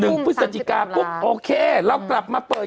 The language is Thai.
๕นึงวันที่พอดีการบุ๊ปโอเคแล้วกลับมาเปิด